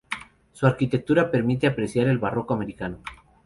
Su arquitectura permite apreciar el barroco americano.